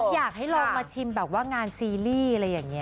อยากให้ลองมาชิมแบบว่างานซีรีส์อะไรอย่างนี้